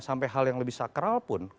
sampai hal yang lebih sakral pun